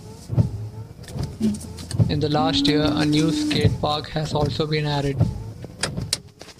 In the last year a new skatepark has also been added.